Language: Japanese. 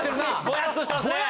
ぼやっとしてますね。